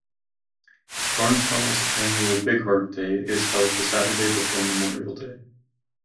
Barnsdall's annual Bigheart Day is held The Saturday before Memorial Day.